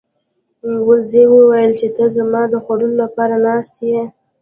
وزې وویل چې ته زما د خوړلو لپاره ناست یې.